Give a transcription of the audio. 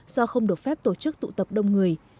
do không được phép tổ chức tụ tập đông người